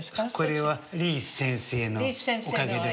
これはリーチ先生のおかげで。